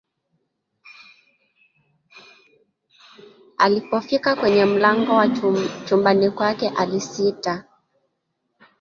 Alpofika kwenye mlango wa chumbani kwake alisita